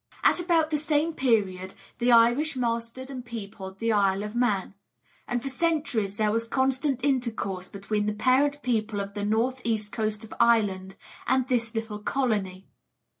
At about the same period the Irish mastered and peopled the Isle of Man; and for centuries there was constant intercourse between the parent people of the north east coast of Ireland and this little colony.